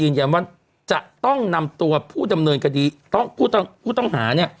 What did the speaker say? ยืนยำว่าจะต้องนำตัวผู้จำเนินคดีผู้ต้องหาเนี่ย